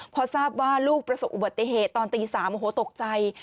พอทราบว่าลูกประสบอุบัติเหตุตอนตี๓โอ้โหตกใจ